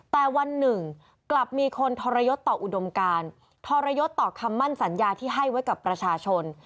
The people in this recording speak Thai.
แต่วันหนึ่งกลับมีคนทรยศต่ออุดมการทรยศต่อคำมั่นสัญญาที่ให้ไว้กับประชาชน